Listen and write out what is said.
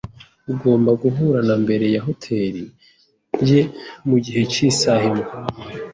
Ugomba guhura na imbere ya hoteri ye mugihe cyisaha imwe